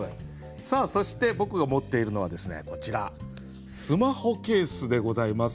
さあそして僕が持っているのはこちらスマホケースでございます。